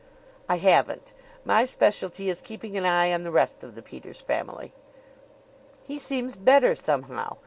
"I haven't. My specialty is keeping an eye on the rest of the Peters family." "He seems better somehow.